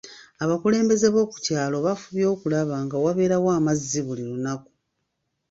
Abakulembeze b'oku kyalo bafubye okulaba nga wabeerawo amazzi buli lunaku.